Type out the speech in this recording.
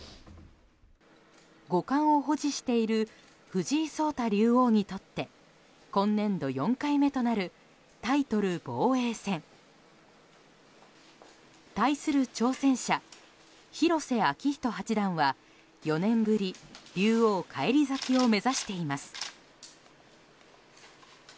五冠を保持している藤井聡太竜王にとって今年度４回目となるタイトル防衛戦。対する挑戦者・広瀬章人八段は４年ぶり竜王返り咲きを目指しています。